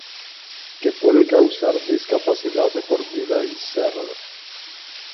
que puede causar discapacidad de por vida y ser